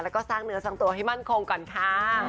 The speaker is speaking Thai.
แล้วก็สร้างเนื้อสร้างตัวให้มั่นคงก่อนค่ะ